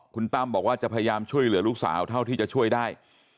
คุณตั้มบอกว่าจะพยายามช่วยเหลือลูกสาวเท่าที่จะช่วยได้